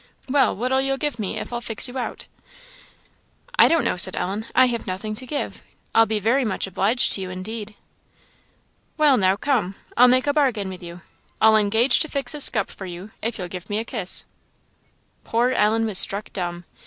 "Well, what'll you give me, if I'll fix you out?" "I don't know," said Ellen, "I have nothing to give; I'll be very much obliged to you, indeed." "Well now, come I'll make a bargain with you: I'll engage to fix up a scup for you, if you'll give me a kiss." Poor Ellen was struck dumb.